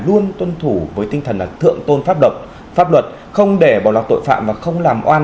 luôn tuân thủ với tinh thần là tượng tôn pháp độc pháp luật không để bỏ lọc tội phạm và không làm oan